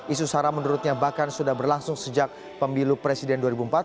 isu sara menurutnya bahkan sudah berlangsung sejak pemilu presiden dua ribu empat belas